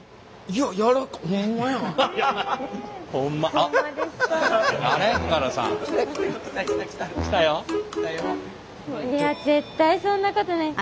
いや絶対そんなことない。